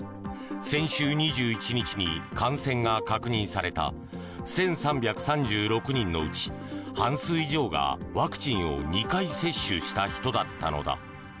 先週２１日に感染が確認された１３３６人のうち、半数以上がワクチンを２回接種した人だったのだ。